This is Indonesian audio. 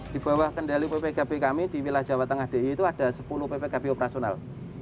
di bawah kendali ppkb kami di wilayah jawa tengah di itu ada sepuluh ppkb operasional